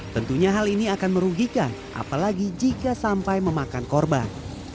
tentunya hal ini akan merugikan apalagi jika sampai memakan korban